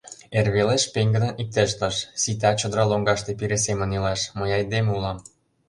Эр велеш пеҥгыдын иктешлыш: «Сита чодыра лоҥгаште пире семын илаш, мый айдеме улам!»